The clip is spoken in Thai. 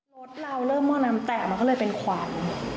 รถเราเริ่มหม้อน้ำแตกมันก็เลยเป็นขวัญ